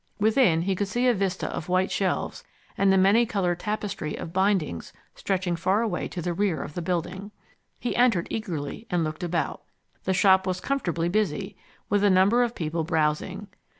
Within, he could see a vista of white shelves, and the many coloured tapestry of bindings stretching far away to the rear of the building. He entered eagerly, and looked about. The shop was comfortably busy, with a number of people browsing.